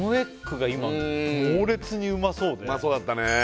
俺は俺うまそうだったね